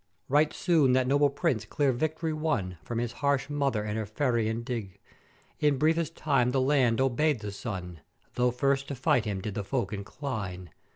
"Right soon that noble Prince clear vict'ory won from his harsh Mother and her Fere indign; in briefest time the land obeyed the son, though first to fight him did the folk incline.